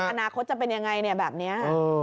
อาณาคตจะเป็นยังไงแบบนี้